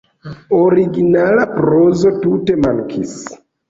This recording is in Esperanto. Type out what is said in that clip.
Originala prozo tute mankis.